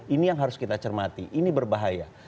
ini yang harus kita cermati ini berbahaya